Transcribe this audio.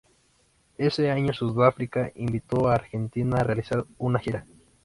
Ese año Sudáfrica invitó a Argentina a realizar una gira.